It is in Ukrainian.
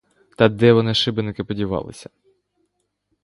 Та де вони, шибеники, подівалися?